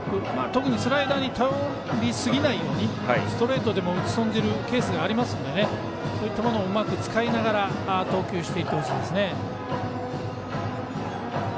特にスライダーに頼りすぎないようにストレートでも打ち損じるケースがありますのでそういったものうまく使いながら投球していってほしいですね。